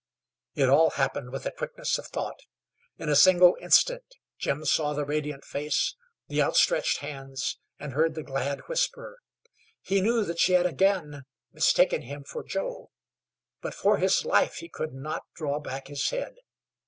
It all happened with the quickness of thought. In a single instant Jim saw the radiant face, the outstretched hands, and heard the glad whisper. He knew that she had a again mistaken him for Joe; but for his life he could not draw back his head.